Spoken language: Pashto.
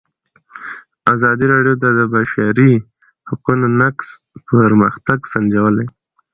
ازادي راډیو د د بشري حقونو نقض پرمختګ سنجولی.